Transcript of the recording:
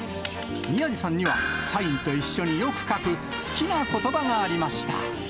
宮治さんには、サインと一緒によく書く、好きなことばがありました。